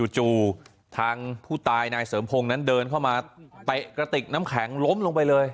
จู่ทางผู้ตายนายเสริมพงศ์นั้นเดินเข้ามาเตะกระติกน้ำแข็งล้มลงไปเลย